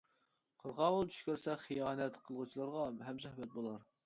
قىرغاۋۇل چۈش كۆرسە، خىيانەت قىلغۇچىلارغا ھەمسۆھبەت بولار.